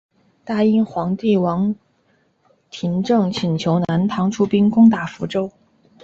大殷皇帝王延政请求南唐出兵攻打福州。